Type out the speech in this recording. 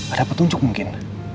ada petunjuk mungkin